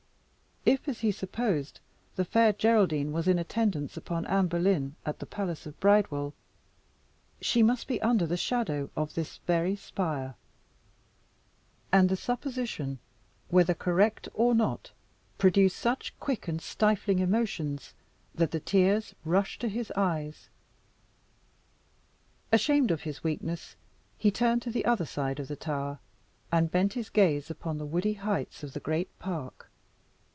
If, as he supposed, the Fair Geraldine was in attendance upon Anne Boleyn, at the palace at Bridewell, she must be under the shadow of this very spire; and the supposition, whether correct or not, produced such quick and stifling emotions, that the tears rushed to his eyes. Ashamed of his weakness, he turned to the other side of the tower, and bent his gaze upon the woody heights of the great park.